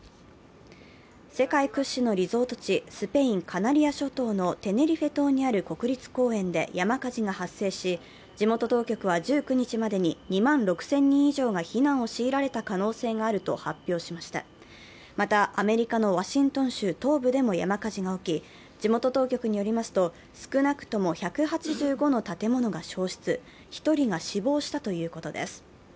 世界屈指のリゾート地、スペイン・カナリア諸島のテネリフェ島にある国立公園で山火事が発生し、地元当局は１９日までに２万６０００人以上が避難を強いられた可能性があると発表しましたまた、アメリカのワシントン州東部でも山火事が起き、地元当局によりますと少なくとも１８５の建物が焼失、１人が死亡したということです。